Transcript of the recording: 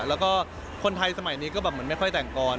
แล้วก็คนไทยสมัยนี้ก็แบบเหมือนไม่ค่อยแต่งก่อน